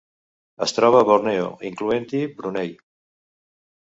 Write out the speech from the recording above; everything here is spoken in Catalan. Es troba a Borneo, incloent-hi Brunei.